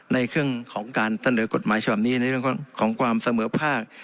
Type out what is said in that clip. ในเครื่องของการตะเนิดกฎหมายเฉพาะนี้ในเรื่องของของความเสมอภาค